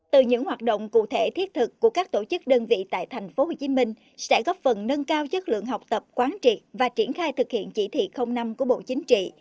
từ những hoạt động cụ thể thiết thực của các tổ chức đơn vị tại tp hcm sẽ góp phần nâng cao chất lượng học tập quán triệt và triển khai thực hiện chỉ thị năm của bộ chính trị